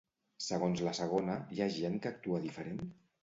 Segons la segona, hi ha gent que actua diferent?